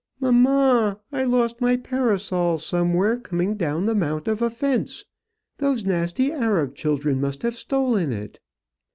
"Mamma, I lost my parasol somewhere coming down the Mount of Offence. Those nasty Arab children must have stolen it."